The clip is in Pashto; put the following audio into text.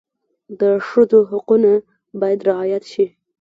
د ښځو حقونه باید رعایت شي.